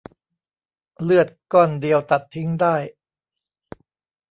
เลือดก้อนเดียวตัดทิ้งได้